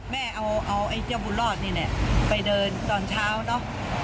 แม่เอาไอ้เจ้าบุญรอดนี่แหละไปเดินตอนเช้าเนอะ